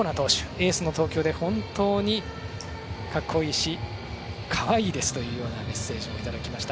エースの投球で本当にかっこいいしかわいいですというようなメッセージをいただきました。